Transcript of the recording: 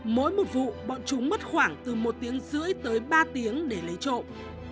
mỗi một vụ bọn chúng mất khoảng từ một tiếng rưỡi tới ba tiếng để lấy trộm